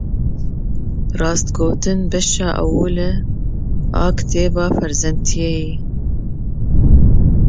Rastgotin, beşa ewil a kitêba ferzendetiyê ye.